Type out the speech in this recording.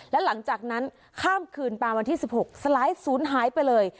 แล้วหลังจากนั้นข้ามคืนประมาณที่๑๖สไลด์ศูนย์หายไปเลย